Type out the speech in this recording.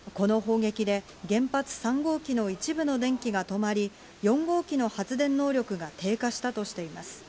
この砲撃で原発３号機の一部の電気が止まり、４号機の発電能力が低下したとしています。